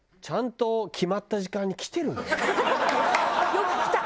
よく来た！